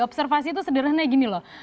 observasi itu sederhananya gini loh